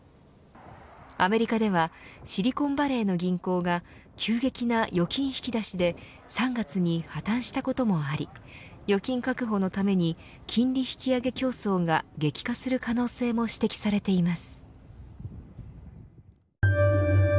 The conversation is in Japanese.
アメリカではシリコンバレーの銀行が急激な預金引き出しで３月に破綻したこともあり預金確保のために金利引き上げ競争が激化する可能性も指摘されています。